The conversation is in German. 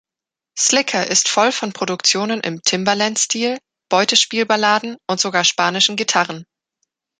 Slicker ist voll von Produktionen im Timbaland-Stil, Beutespielballaden und sogar spanischen Gitarren.